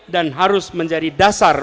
dan harus menjadi dasar